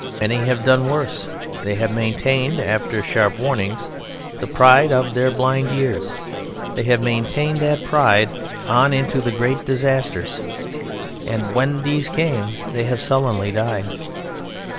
Many have done worse they have maintained after sharp warnings the pride of their blind years; they have maintained that pride on into the great disasters, and when these came they have sullenly died.